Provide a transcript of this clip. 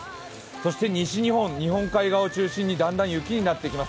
そして西日本、日本海側を中心にだんだん雪になってきます。